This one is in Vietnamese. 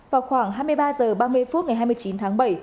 vào khoảng hai mươi ba h ba mươi phút ngày hai mươi chín tháng bảy